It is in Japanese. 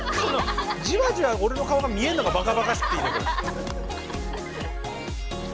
じわじわ俺の顔が見えるのがバカバカしくていいねこれ。